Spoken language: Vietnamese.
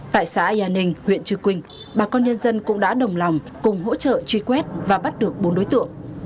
tại xã yà ninh huyện trư quynh bà con nhân dân cũng đã đồng lòng cùng hỗ trợ truy quét và bắt được bốn đối tượng